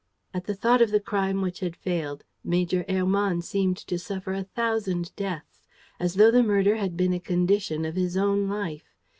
At the thought of the crime which had failed, Major Hermann seemed to suffer a thousand deaths, as though the murder had been a condition of his own life.